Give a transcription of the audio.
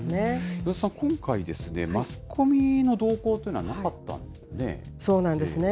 岩田さん、今回ですねマスコミの動向というのはそうなんですね。